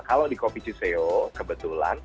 kalau di coviceo kebetulan